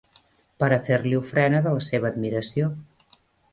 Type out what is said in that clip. Per a fer-li ofrena de la seva admiració.